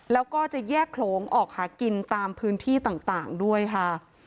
แล้วก็จะแยกโขลงออกหากินตามพื้นที่ต่างด้วยค่ะ